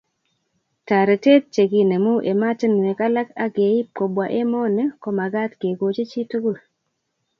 taretet che kinemu ematinwek alak ak keib kobwa emoni ko magat kegoch cii tugul